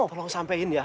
tolong sampein ya